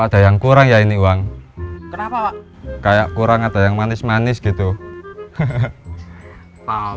ada yang kurang ya ini uang kenapa pak kayak kurang ada yang manis manis gitu